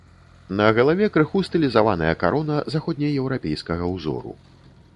На галаве крыху стылізаваная карона заходнееўрапейскага ўзору.